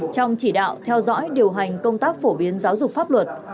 trong chỉ đạo theo dõi điều hành công tác phổ biến giáo dục pháp luật